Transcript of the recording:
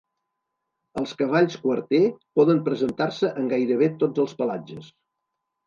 Els cavalls Quarter poden presentar-se en gairebé tots els pelatges.